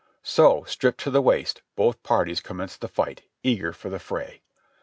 So, stripped to the waist, both parties commenced the fight, eager for the fray.